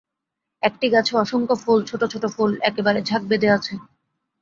একটি গাছে অসংখ্য ফুল, ছোট ছোট ফুল, একেবারে ঝাঁক বেঁধে আছে।